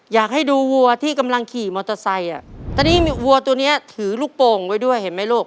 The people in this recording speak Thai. อยากให้ดูวัวที่กำลังขี่มอเตอร์ไซค์อ่ะตอนนี้มีวัวตัวเนี้ยถือลูกโป่งไว้ด้วยเห็นไหมลูก